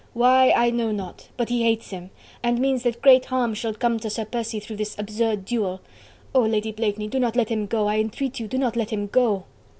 Why I know not... but he hates him.. and means that great harm shall come to Sir Percy through this absurd duel.... Oh! Lady Blakeney, do not let him go... I entreat you, do not let him go!"